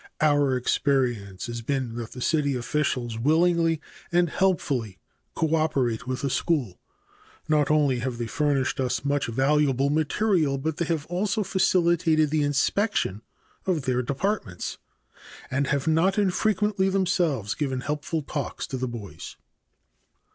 Our experience has been that the city officials willingly and helpfully coöperate with the school. Not only have they furnished us much valuable material, but they have also facilitated the inspection of their departments, and have not infrequently themselves given helpful talks to the boys.